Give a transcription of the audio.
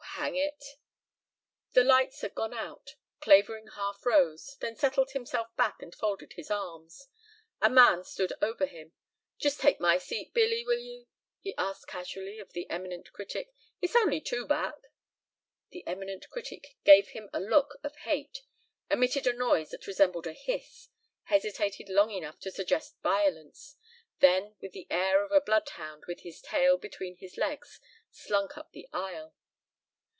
Hang it!" The lights had gone out. Clavering half rose, then settled himself back and folded his arms. A man stood over him. "Just take my seat, Billy, will you?" he asked casually of the eminent critic. "It's only two back." The eminent critic gave him a look of hate, emitted a noise that resembled a hiss, hesitated long enough to suggest violence, then with the air of a bloodhound with his tail between his legs, slunk up the aisle.